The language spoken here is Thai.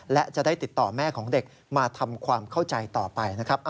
และจะได้ติดต่อแม่ของเด็กมาทำความเข้าใจต่อไปนะครับ